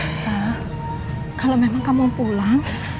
elsa kalau memang kamu mau pulang